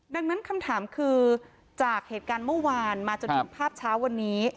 ดังนั้นคำถามคือจากเหตุการณ์เมื่อวานมาจนถึงภาพเช้าวันนี้